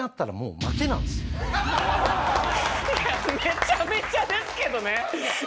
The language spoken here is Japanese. めちゃめちゃですけどね。